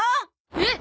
えっ？